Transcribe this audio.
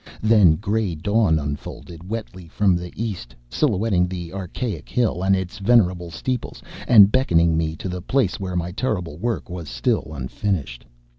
Then gray dawn unfolded wetly from the east, silhouetting the archaic hill and its venerable steeples, and beckoning me to the place where my terrible work was still unfinished.